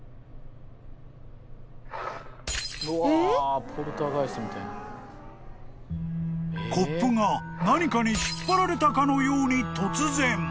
［コップが何かに引っ張られたかのように突然］